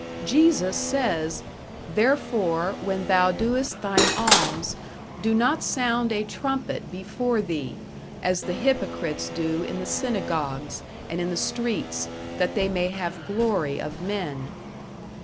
Jesus says, "Therefore when thou doest thine alms, do not sound a trumpet before thee, as the hypocrites do in the synagogues and in the streets, that they may have glory of men."